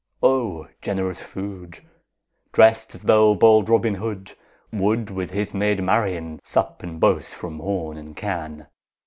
O generous food! Drest as though bold Robin Hood 10 Would, with his maid Marian, Sup and bowse from horn and can.